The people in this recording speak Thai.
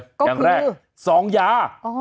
ก็คืออย่างแรก๒ยาอ๋อ